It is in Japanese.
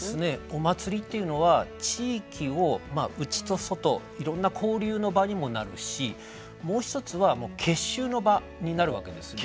お祭りっていうのは地域を内と外いろんな交流の場にもなるしもう一つは結集の場になるわけですね。